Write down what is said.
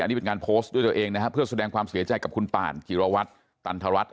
อันนี้เป็นการโพสต์ด้วยตัวเองนะครับเพื่อแสดงความเสียใจกับคุณป่านกิรวรรณตัลถวรรฐ